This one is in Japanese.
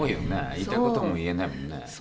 言いたいことも言えないもんね。